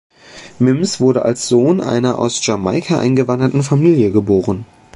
Mims wurde als Sohn einer aus Jamaika eingewanderten Familie geboren.